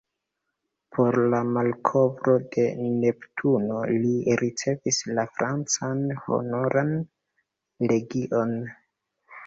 Por la malkovro de Neptuno li ricevis la francan Honoran Legion.